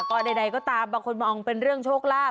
ก็ใดก็ตามบางคนมองเป็นเรื่องโชคลาภ